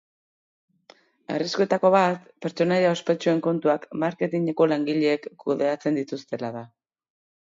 Arriskuetako bat pertsonaia ospetsuen kontuak marketingeko langileek kudeatzen dituztela da.